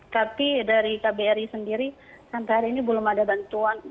tapi dari kbri sendiri sampai hari ini belum ada bantuan